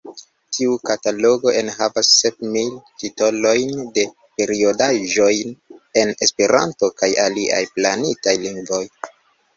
Tiu katalogo enhavas sep mil titolojn de periodaĵoj en Esperanto kaj aliaj planitaj lingvoj.